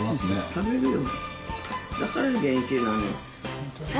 食べるよ。